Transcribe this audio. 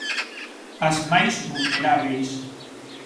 As máis vulnerábeis.